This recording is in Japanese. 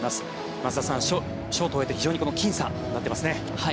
町田さん、ショートを終えて非常にきん差になっていますね。